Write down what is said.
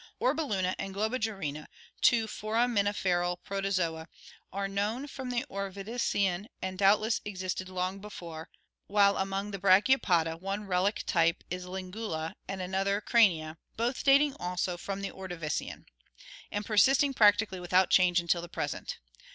Orbulina and Globigerina, two foraminiferal Protozoa, are known from the Ordovician and doubtless existed long before, while among the Brachiopoda one relic type is Lingula and another Crania, both dating also from the Ordovician, and persisting prac tically without change until the present.